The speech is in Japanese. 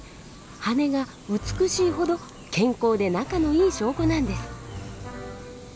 羽が美しいほど健康で仲のいい証拠なんです。